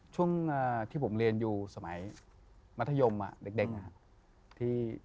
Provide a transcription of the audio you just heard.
ช่วงที่ผมเรียนอยู่สมัยมัธยมเด็กนะครับ